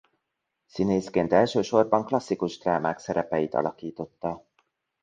Színészként elsősorban klasszikus drámák szerepeit alakította.